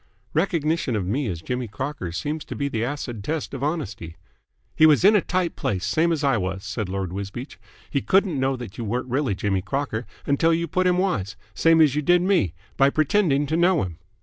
"Recognition of me as Jimmy Crocker seems to be the acid test of honesty." "He was in a tight place, same as I was," said Lord Wisbeach. "He couldn't know that you weren't really Jimmy Crocker until you put him wise same as you did me by pretending to know him."